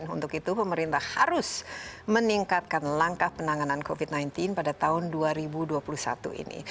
untuk itu pemerintah harus meningkatkan langkah penanganan covid sembilan belas pada tahun dua ribu dua puluh satu ini